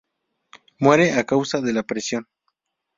Muere a causa de la presión.